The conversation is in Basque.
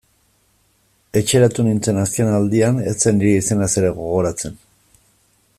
Etxeratu nintzen azken aldian, ez zen nire izenaz ere gogoratzen...